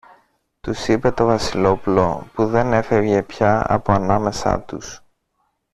τους είπε το Βασιλόπουλο, που δεν έφευγε πια από ανάμεσα τους.